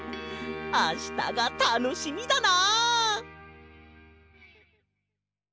あしたがたのしみだな！